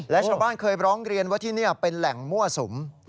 และชาวบ้านเคยร้องเรียนว่าที่นี่เป็นแหล่งมั่วสุม